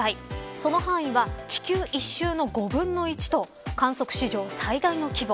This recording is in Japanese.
その範囲は地球１周の５分の１と観測史上最大の規模。